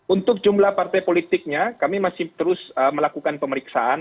untuk jumlah partai politiknya kami masih terus melakukan pemeriksaan